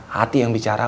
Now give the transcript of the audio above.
hati yang bicara